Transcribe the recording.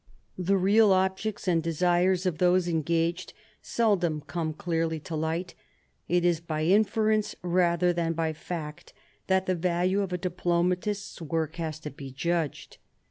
The real objects and desires of those engaged seldom come clearly to light ; it is by inference rather than by fact that the value of a diplomatist's work has to be judged.